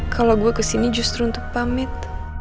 kalau gue kesini justru untuk pamit